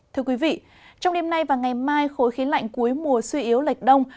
thưa quý vị trong đêm nay và ngày mai khối khí lạnh cuối mùa suy yếu lệch đông